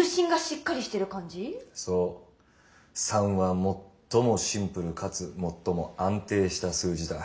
「３」は最もシンプルかつ最も安定した数字だ。